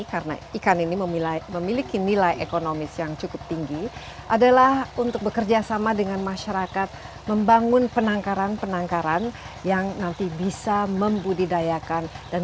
karena ikan ini memiliki nilai ekonomis yang cukup tinggi adalah untuk bekerjasama dengan masyarakat membangun penangkaran penangkaran yang nanti bisa membudidayakan